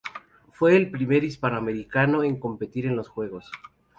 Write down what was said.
Fue el primer hispanoamericano en competir en los Juegos.